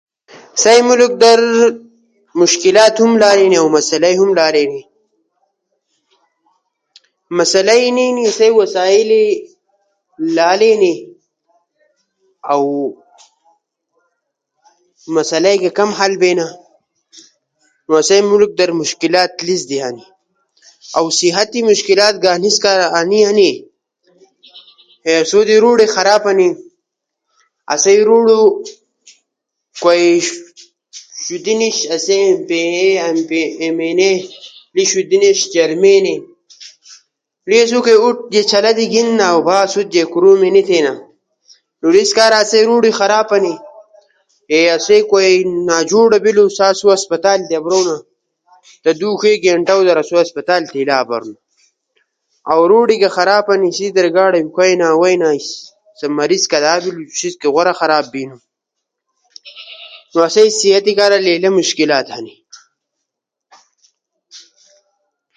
آسئی ملک در مشکلات ہم لالے اینی اؤ مسئلئی ہم لالے اینی۔ مسئلہ ئی انا اینی سا وسائل لالے اینی اؤ مسئلہ ئی گے کم حل بینا۔ آسئی ملک در مشکلات لیس در ہنی۔ اؤ صحت مشکلاتگا انیس کارا انی ہنی کے آسو دی روڈ خراب ہنی، آسوئے کمیونٹی در کوئی سیٹ نیِش، آسوئے تی ایم پی اے ، ایم این اے اؤ ویلیج کئی چیئرمین لیس کئی ووٹ سمٹئینا اؤ با آسو تی کورومے نی تھینا۔ نو انیس کارا آسئی روڈ خراب ہنی۔ اے آسئی کوئی ناجوڑا بیلو سا آسو ہسپتال در ابرونا تی دو ڇئی گینٹاؤ در آسو ہسپتال تی ہیلا آبرونا۔ اؤ روڈ در خراب ہنی سیس در گاڑے روکئینا وئینا، مریض کدا حال ہنو سیس کئی غورا خراب بینو۔ نو آسئی صحت کارا لیلا مشکلات ہنی۔